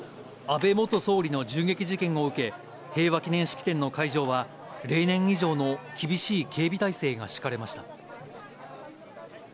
安倍元総理の銃撃事件を受け、平和記念式典の会場は例年以上の厳しい警備態勢が敷かれました。